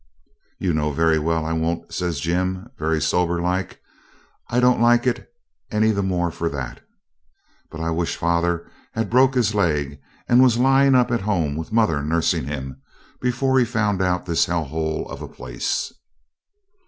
'You know very well I won't,' says Jim, very soberlike. 'I don't like it any the more for that. But I wish father had broke his leg, and was lying up at home, with mother nursing him, before he found out this hell hole of a place.'